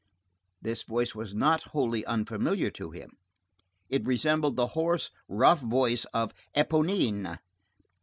This voice was not wholly unfamiliar to him. It resembled the hoarse, rough voice of Éponine.